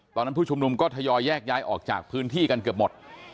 ผู้ชุมนุมก็ทยอยแยกย้ายออกจากพื้นที่กันเกือบหมด